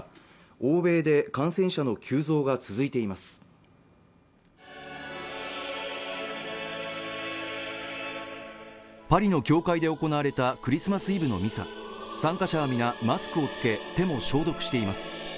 欧米で感染者の急増が続いていますパリの教会で行われたクリスマスイブのミサ参加者は皆マスクをつけ手も消毒しています